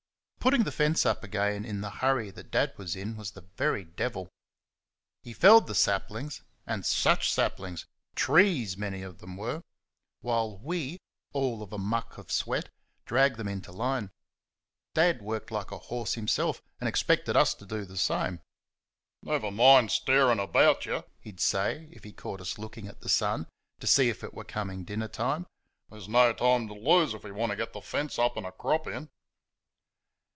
Putting the fence up again in the hurry that Dad was in was the very devil! He felled the saplings and such saplings! TREES many of them were while we, "all of a muck of sweat," dragged them into line. Dad worked like a horse himself, and expected us to do the same. "Never mind staring about you," he'd say, if he caught us looking at the sun to see if it were coming dinner time "there's no time to lose if we want to get the fence up and a crop in."